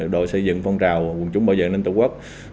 đội xây dựng phong trào quân chúng bảo vệ nâng tổ quốc